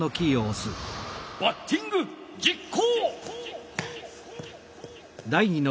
バッティングじっ行！